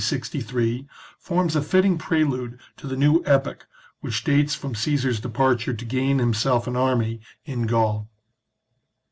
63 forms a fitting prelude to the new epoch, which dates from Caesar's departure to gain himself an army in Gaul.